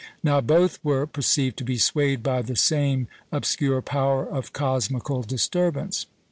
Now both were perceived to be swayed by the same obscure power of cosmical disturbance.